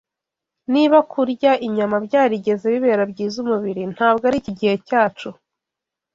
Niba kurya inyama byarigeze bibera byiza umubiri, ntabwo ari iki gihe cyacu